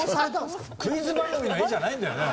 クイズ番組の画じゃないんだよね。